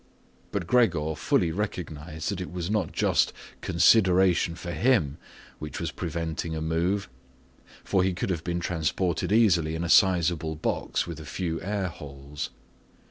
But Gregor fully recognized that it was not just consideration for him which was preventing a move, for he could have been transported easily in a suitable box with a few air holes.